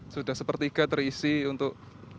sudah sepertiga terisi untuk